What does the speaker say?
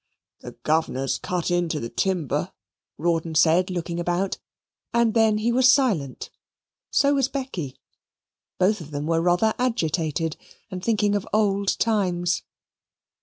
"The governor has cut into the timber," Rawdon said, looking about, and then was silent so was Becky. Both of them were rather agitated, and thinking of old times.